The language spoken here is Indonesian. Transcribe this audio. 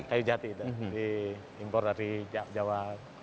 kayu jati impor dari jawa